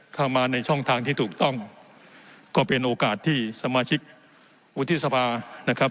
ถ้ามาในช่องทางที่ถูกต้องก็เป็นโอกาสที่สมาชิกวุฒิสภานะครับ